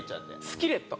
スキレット。